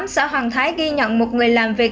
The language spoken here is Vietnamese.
xã hoàng thái ghi nhận một người làm việc